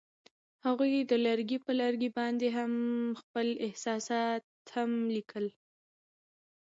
هغوی د لرګی پر لرګي باندې خپل احساسات هم لیکل.